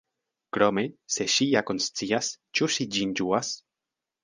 Krome, se ŝi ja konscias, ĉu ŝi ĝin ĝuas?